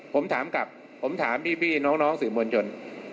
ผมถามกลับผมถามพี่น้องสื่อมวลชน